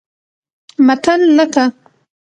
متل لکه